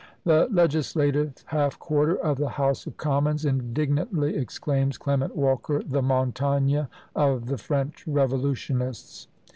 "The legislative half quarter of the House of Commons!" indignantly exclaims Clement Walker the "Montagne" of the French revolutionists!